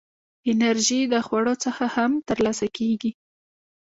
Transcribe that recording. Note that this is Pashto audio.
انرژي د خوړو څخه هم ترلاسه کېږي.